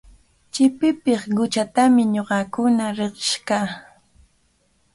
Chipipiq quchatami ñuqakuna riqish kaa.